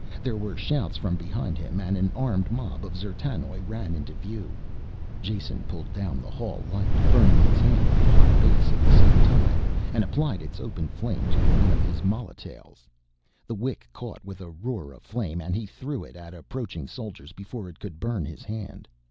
There were shouts from behind him and an armed mob of D'zertanoj ran into view. Jason pulled down the hall light, burning his hand on the hot base at the same time, and applied its open flame to one of his molotails. The wick caught with a roar of flame and he threw it at approaching soldiers before it could burn his hand.